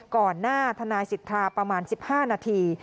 ก่อนหน้าทนายสิทธาประมาณ๑๕นาที